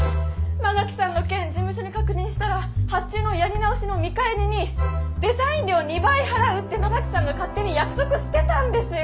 馬垣さんの件事務所に確認したら発注のやり直しの見返りにデザイン料を２倍払うって馬垣さんが勝手に約束してたんですよ！